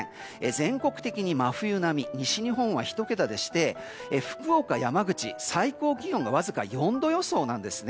全国的に真冬並み西日本は１桁でして福岡、山口最高気温がわずか４度予想です。